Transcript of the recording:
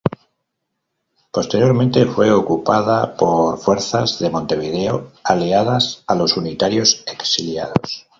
Posteriormente fue ocupada por fuerzas de Montevideo aliadas a los unitarios exiliados.